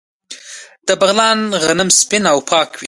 د بغلان غنم سپین او پاک وي.